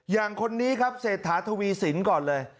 อย่างคนนี้ครับเศรษฐาทวีสินก่อนเลย